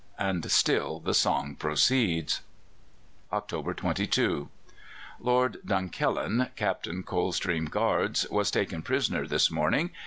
and still the song proceeds. "October 22. Lord Dunkellin, Captain Coldstream Guards, was taken prisoner this morning.